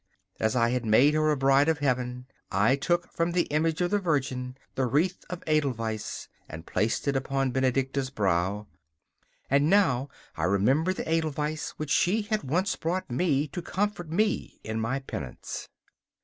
As I had made her a bride of Heaven, I took from the image of the Virgin the wreath of edelweiss and placed it on Benedicta's brow; and now I remembered the edelweiss which she had once brought me to comfort me in my penance.